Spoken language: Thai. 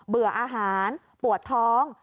เบื่ออาหารปวดท้อง